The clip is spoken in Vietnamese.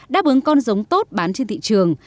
đáp ứng con giống tốt bán trên thị trường